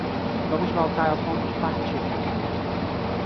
Vamos voltar ao ponto de partida.